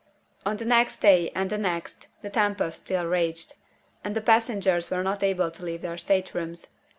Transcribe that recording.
On the next day, and the next, the tempest still raged and the passengers were not able to leave their state rooms.